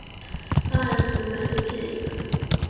当然只能买最便宜的